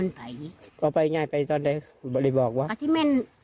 อืม